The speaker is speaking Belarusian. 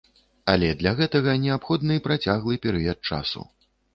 Але для гэтага неабходны працяглы перыяд часу.